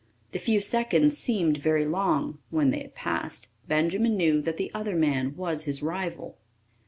The few seconds seemed very long; when they had passed, Benjamin knew that the other man was his rival.